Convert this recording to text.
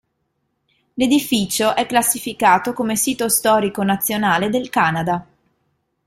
L'edificio è classificato come sito storico nazionale del Canada.